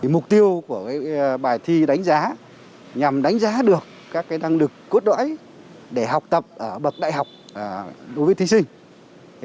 mục tiêu của bài thi đánh giá nhằm đánh giá được các năng lực cốt lõi để học tập ở bậc đại học đối với thí sinh